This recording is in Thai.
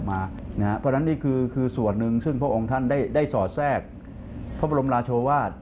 เพราะฉะนั้นนี่คือส่วนหนึ่งซึ่งพระองค์ท่านได้สอดแทรกพระบรมราชวาส